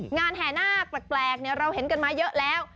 แห่นาคแปลกเราเห็นกันมาเยอะแล้ว